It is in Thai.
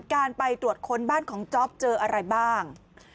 การไปตรวจค้นบ้านของจ๊อปเจออะไรบ้าง